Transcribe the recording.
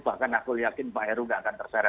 bahkan aku yakin pak heru tidak akan terseret